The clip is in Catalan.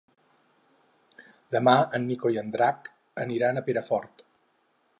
Demà en Nico i en Drac aniran a Perafort.